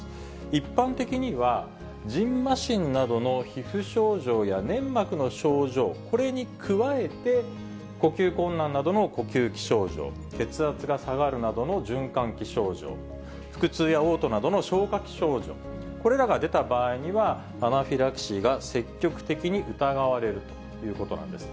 一般的には、じんましんなどの皮膚症状や粘膜の症状、これに加えて呼吸困難などの呼吸器症状、血圧が下がるなどの循環器症状、腹痛やおう吐などの消化器症状、これらが出た場合には、アナフィラキシーが積極的に疑われるということなんです。